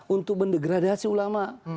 untuk mendegradasi ulama